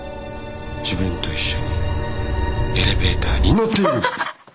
自分と一緒にエレベーターに乗っている。